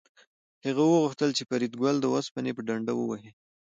هغه غوښتل چې فریدګل د اوسپنې په ډنډه ووهي